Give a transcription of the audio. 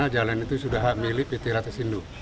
jalan itu sudah milih pt ratesindo